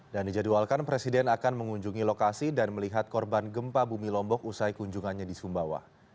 dan dijadwalkan presiden akan mengunjungi lokasi dan melihat korban gempa bumi lombok usai kunjungannya di sumbawa